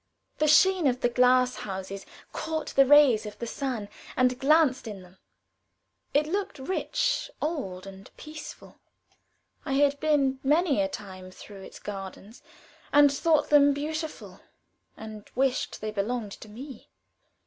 The sheen of the glass houses caught the rays of the sun and glanced in them. It looked rich, old, and peaceful. I had been many a time through its gardens, and thought them beautiful, and wished they belonged to me.